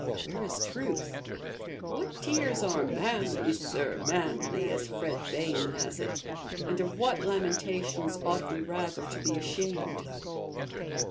where is truth? What tears are 'manly, Sir, manly,' as Fred Bayham has it; and of what lamentations ought we rather to be ashamed?